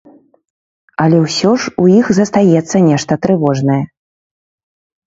Але ўсё ж у іх застаецца нешта трывожнае.